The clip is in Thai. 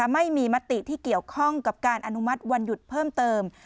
ไม่มีมติที่เกี่ยวข้องกับการอนุมัติวันหยุดเพิ่มเติม